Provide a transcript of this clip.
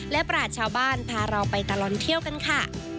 และปราศชาวบ้านพาเราไปตลอดเที่ยวกันค่ะ